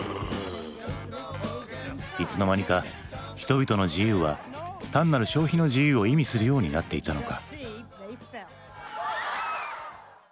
いつの間にか人々の自由は単なる消費の自由を意味するようになっていたのか？